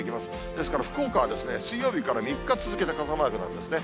ですから、福岡は水曜日から３日続けて傘マークなんですね。